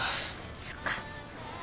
そっか。